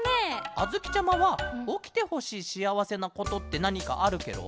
あづきちゃまはおきてほしいしあわせなことってなにかあるケロ？